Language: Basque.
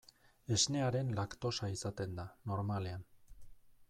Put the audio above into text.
Esnearen laktosa izaten da, normalean.